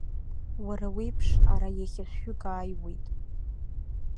Уара уеиԥш ара иахьа шәҩык ааиуеит.